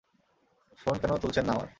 Phone কেন তুলছেন না আমার?